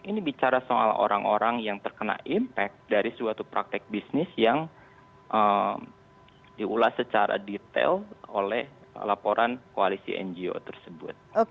ini bicara soal orang orang yang terkena impact dari suatu praktek bisnis yang diulas secara detail oleh laporan koalisi ngo tersebut